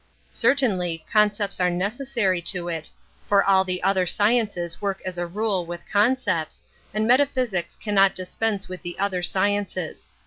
Certainly, con^/ cepts are necessary to it, for all the other sciences work as a rule with concepts, and metaphysics cannot dispense with the other sciences.